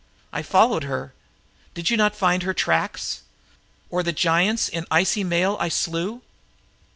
I followed her. Did you not find her tracks. Or the giants in icy mail I slew?"